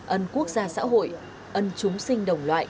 ân quốc gia xã hội ân chúng sinh